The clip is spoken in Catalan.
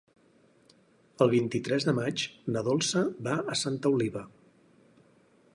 El vint-i-tres de maig na Dolça va a Santa Oliva.